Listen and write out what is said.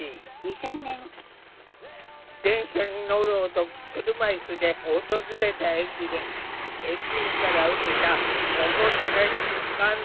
電車に乗ろうと車いすで訪れた駅で駅員から受けた“おもてなし”に感動。